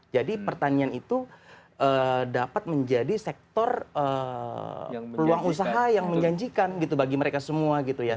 jadi pertanian itu dapat menjadi sektor peluang usaha yang menjanjikan gitu bagi mereka semua gitu ya